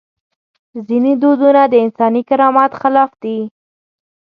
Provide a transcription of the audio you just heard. ځینې دودونه د انساني کرامت خلاف دي.